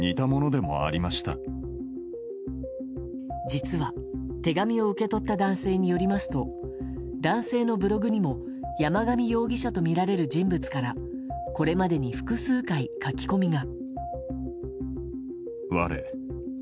実は、手紙を受け取った男性によりますと男性のブログにも山上容疑者とみられる人物からこれまでに複数回、書き込みが。